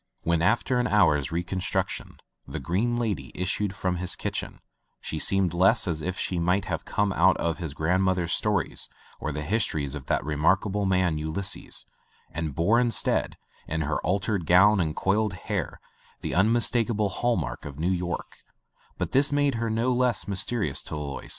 When, after an hour's reconstruction, the Green Lady issued from his kitchen, she seemed less as if she might have come out of one of his grandmother's stories or the history of that remarkable man, Ulysses, and bore in stead, in her altered gown and coiled hair, the unmistakable hall mark of New York, but this made her no less mysterious to Alois.